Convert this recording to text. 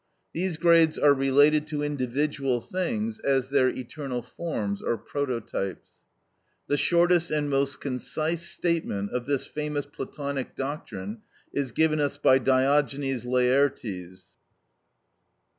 These grades are related to individual things as their eternal forms or prototypes. The shortest and most concise statement of this famous Platonic doctrine is given us by Diogenes Laertes (iii.